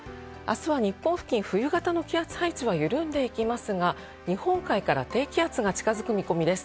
冬型の気圧配置は次第に緩んでいきますが、日本海から低気圧が近づく見込みです。